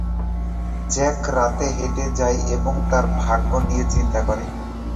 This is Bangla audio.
জ্যাক রাতে হেঁটে যায় এবং তার ভাগ্য নিয়ে চিন্তা করে।